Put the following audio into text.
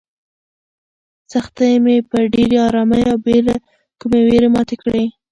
سختۍ مې په ډېرې ارامۍ او بې له کومې وېرې ماتې کړې.